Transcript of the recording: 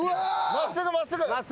真っすぐ真っすぐ。